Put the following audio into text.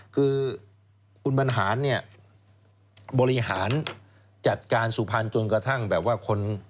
คือคุณบรรหารเนี่ยบริหารจัดการสุพรรณจนกระทั่งแบบว่าคน